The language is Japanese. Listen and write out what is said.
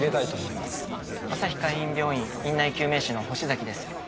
あさひ海浜病院院内救命士の星崎です。